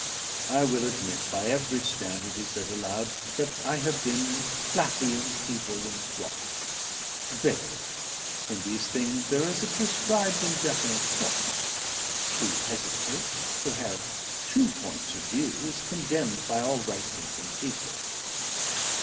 "I will admit by every standard," he said aloud, "that I have been flappy and feeble and wrong. Very. In these things there is a prescribed and definite course. To hesitate, to have two points of view, is condemned by all right thinking people....